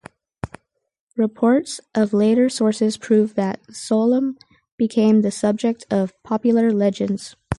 Reports of later sources prove that Solomon became the subject of popular legends.